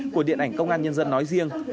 của điện ảnh công an nhân dân nói riêng